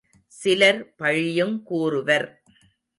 சிலர் பழியுங் கூறுவர்.